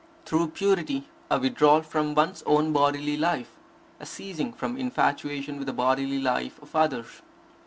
Through purity a withdrawal from one's own bodily life, a ceasing from infatuation with the bodily life of others.